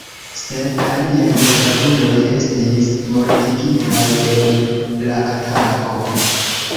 Sep aliaj gravuloj estis mortigitaj en la atako.